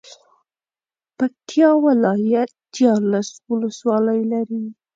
پکتيا ولايت ديارلس ولسوالۍ لري.